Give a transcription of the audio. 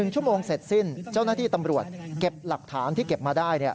ชั่วโมงเสร็จสิ้นเจ้าหน้าที่ตำรวจเก็บหลักฐานที่เก็บมาได้